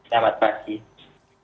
terima kasih mbak neky selamat pagi